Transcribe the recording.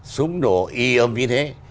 súng nổ y âm như thế